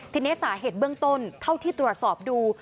ทีนี้สาเหตุเบื้องต้นเท่าที่ตรวจสอบดู